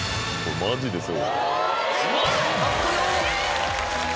マジですよ